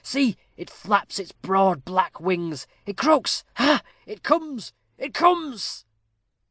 See, it flaps its broad black wings it croaks ha, ha! It comes it comes."